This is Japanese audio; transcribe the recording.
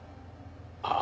ああ。